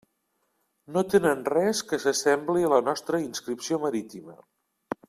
No tenen res que s'assembli a la nostra inscripció marítima.